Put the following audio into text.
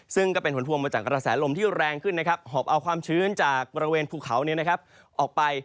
ซึ่งก็เป็นผลพวงมาจากกระแสลมที่แรงขึ้นนะครับหอบเอาความชื้นจากบริเวณภูเขาออกไป